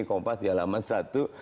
kompas di alamat satu